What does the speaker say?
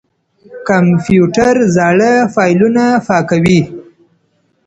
کمپيوټر زاړه فايلونه پاکوي.